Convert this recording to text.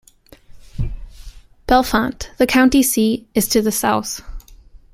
Bellefonte, the county seat, is to the south.